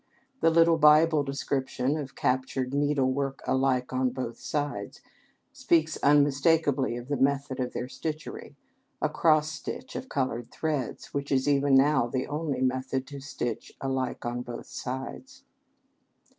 The little Bible description of captured "needlework alike on both sides" speaks unmistakably of the method of their stitchery, a cross stitch of colored threads, which is even now the only method of stitch "alike on both sides."